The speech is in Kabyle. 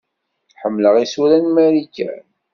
Ḥemmleɣ isura n Marikan.